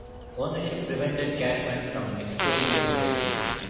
Ownership prevented Cashman from exploring a trade.